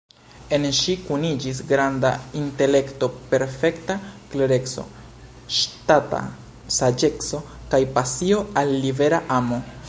En ŝi kuniĝis granda intelekto, perfekta klereco, ŝtata saĝeco kaj pasio al "libera amo".